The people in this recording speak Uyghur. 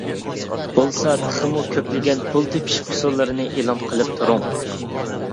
بولسا تېخىمۇ كۆپلىگەن پۇل تېپىش ئۇسۇللىرىنى ئېلان قىلىپ تۇرۇڭ.